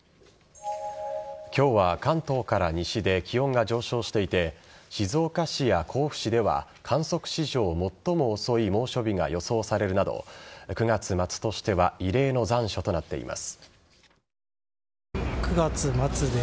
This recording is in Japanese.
今日は関東から西で気温が上昇していて静岡市や甲府市では観測史上最も遅い猛暑日が予想されるなど９月末としては異例の残暑となっています。